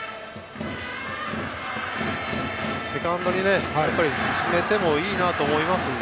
セカンドに進めてもいいと思うので。